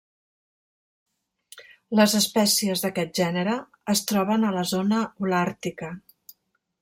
Les espècies d'aquest gènere es troben a la zona holàrtica.